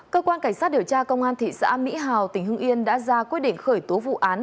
cơ quan cảnh sát điều tra công an thị xã mỹ hào tỉnh hưng yên đã ra quyết định khởi tố vụ án